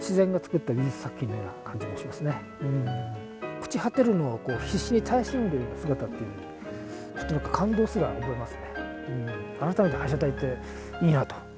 朽ち果てるのを必死に耐え忍んでいる姿というのは、感動すら覚えますね。